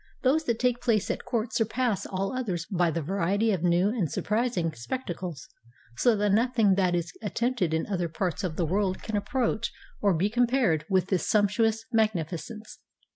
Those that take place at court surpass all others by the variety of new and surprising spectacles, so that nothing that is attempted in other parts of the world can approach or be compared with this sumptuous magnificence."